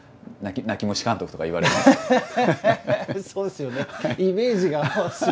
そうですよね。